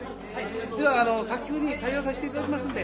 では早急に対応さして頂きますんで。